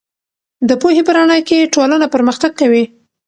د پوهې په رڼا کې ټولنه پرمختګ کوي.